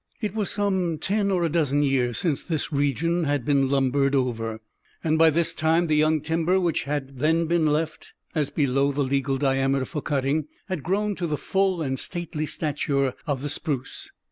It was some ten or a dozen years since this region had been lumbered over, and by this time the young timber which had then been left, as below the legal diameter for cutting, had grown to the full and stately stature of the spruce.